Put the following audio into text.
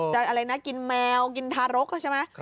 อะไรนะกินแมวกินทารกใช่ไหม